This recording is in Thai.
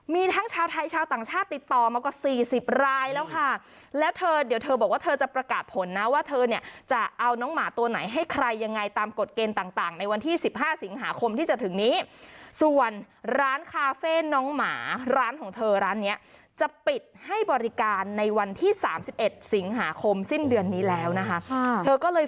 มีทั้งชาวไทยชาวต่างชาติติดต่อมากว่าสี่สิบรายแล้วค่ะแล้วเธอเดี๋ยวเธอบอกว่าเธอจะประกาศผลนะว่าเธอเนี่ยจะเอาน้องหมาตัวไหนให้ใครยังไงตามกฎเกณฑ์ต่างในวันที่สิบห้าสิงหาคมที่จะถึงนี้ส่วนร้านคาเฟ่น้องหมาร้านของเธอร้านเนี้ยจะปิดให้บริการในวันที่สามสิบเอ็ดสิงหาคมสิ้นเดือนนี้แล้วนะคะเธอก็เลย